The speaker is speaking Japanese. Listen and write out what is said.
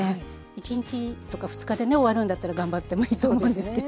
１日とか２日でね終わるんだったら頑張ってもいいと思うんですけど。